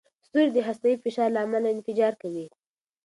ستوري د هستوي فشار له امله انفجار کوي.